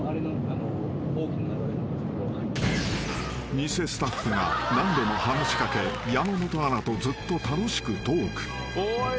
［偽スタッフが何度も話し掛け山本アナとずっと楽しくトーク］